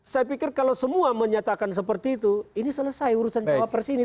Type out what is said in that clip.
saya pikir kalau semua menyatakan seperti itu ini selesai urusan cawapres ini